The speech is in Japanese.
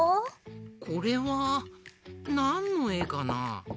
これはなんのえかな？